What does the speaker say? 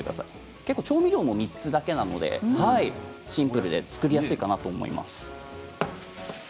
調味料も３つだけなのでシンプルで作りやすいかなと思います。